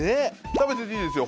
食べてていいですよ